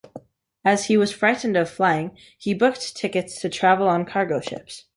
As he was frightened of flying, he booked tickets to travel on cargo ships.